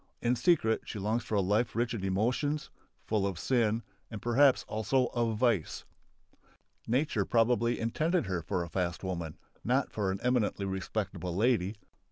In secret she longs for a life rich in emotions, full of sin and perhaps also of vice. Nature probably intended her for a fast woman, not for an eminently respectable lady.